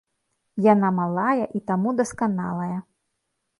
Яна малая і таму дасканалая.